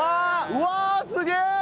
うわあすげえ！